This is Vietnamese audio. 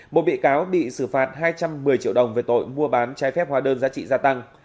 một bị cáo bị xử phạt hai trăm một mươi triệu đồng về tội mua bán trái phép hóa đơn giá trị gia tăng